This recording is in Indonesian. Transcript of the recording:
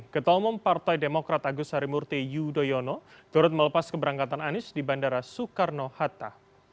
ketua umum partai demokrat agus harimurti yudhoyono turut melepas keberangkatan anies di bandara soekarno hatta